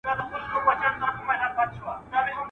پوري زهر د خپل ښکار د غوښو خوند سو.